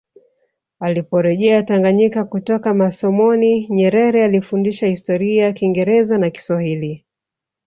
Aliporejea Tanganyika kutoka masomoni Nyerere alifundisha Historia Kingereza na Kiswahili